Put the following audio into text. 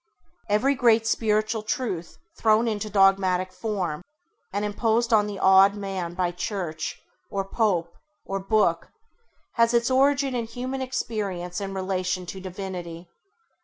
Every great spiritual truth thrown into dogmatic form and imposed on the awed man by Church, or Pope, or Book, has its origin in human experience in relation to divinity.